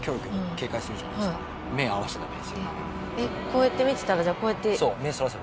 こうやって見てたらじゃあこうやって。